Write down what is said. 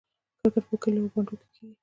کرکټ په کلیو او بانډو کې کیږي.